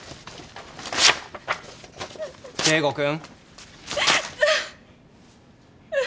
圭吾君。